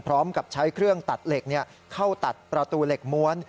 พร้อมกับใช้เครื่องตัดเหล็กเข้าตัดประตูเหล็กม้วน